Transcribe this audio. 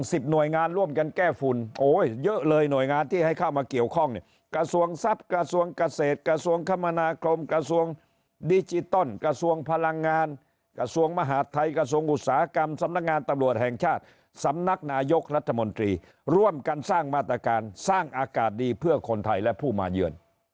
หน่วยงานร่วมกันแก้ฝุ่นโอ้ยเยอะเลยหน่วยงานที่ให้เข้ามาเกี่ยวข้องเนี่ยกระทรวงทรัพย์กระทรวงเกษตรกระทรวงคมนาคมกระทรวงดิจิตอลกระทรวงพลังงานกระทรวงมหาดไทยกระทรวงอุตสาหกรรมสำนักงานตำรวจแห่งชาติสำนักนายกรัฐมนตรีร่วมกันสร้างมาตรการสร้างอากาศดีเพื่อคนไทยและผู้มาเยือน